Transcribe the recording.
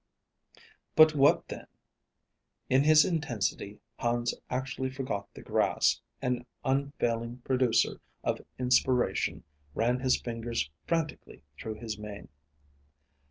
But what then? In his intensity Hans actually forgot the grass and, unfailing producer of inspiration, ran his fingers frantically through his mane.